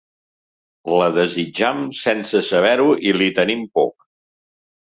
La desitjam sense saber-ho i li tenim por.